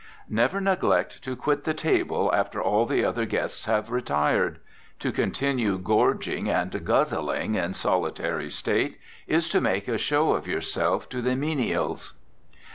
Never neglect to quit the table after all the other guests have retired. To continue gorging and guzzling in solitary state is to make a show of yourself to the menials.